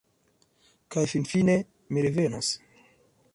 Kaj finfine mi revenos.